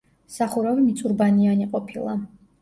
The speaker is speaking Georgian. სახურავი მიწურბანიანი ყოფილა.